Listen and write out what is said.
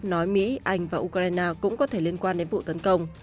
nói mỹ anh và ukraine cũng có thể liên quan đến vụ tấn công